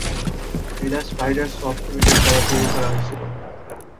এটি Spider Soft Limited দ্বারা তৈরি করা হয়েছিল।